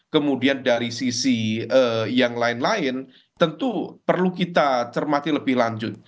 kemudian dari sisi yang lain lain tentu perlu kita cermati lebih lanjut